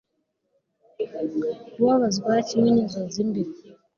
Kubabazwa kimwe ninzozi mbi